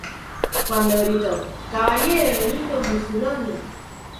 Cuando gritó "¡Cavaliere Benito Mussolini!